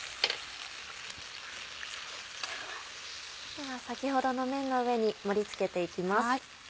では先ほどのめんの上に盛り付けていきます。